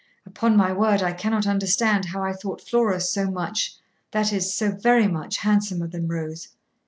Upon my word, I cannot understand how I thought Flora so much, that is, so very much, handsomer than Rose.